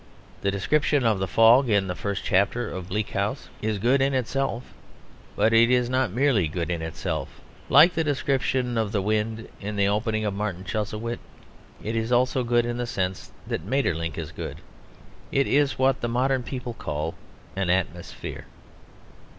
The description of the fog in the first chapter of Bleak House is good in itself; but it is not merely good in itself, like the description of the wind in the opening of Martin Chuzzlewit; it is also good in the sense that Maeterlinck is good; it is what the modern people call an atmosphere.